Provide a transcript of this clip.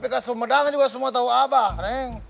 ke depan ke sumedang juga semua tau abah neng